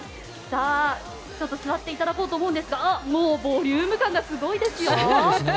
座っていただこうと思いますがもう、ボリューム感がすごいですよ。